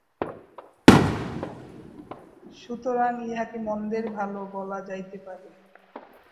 সুতরাং ইহাকে মন্দের ভাল বলা যাইতে পারে।